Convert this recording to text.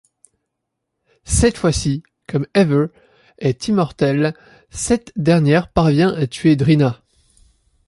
Cette fois-ci, comme Ever est immortelle, cette dernière parvient à tuer Drina.